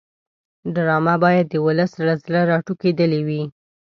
ډرامه باید د ولس له زړه راټوکېدلې وي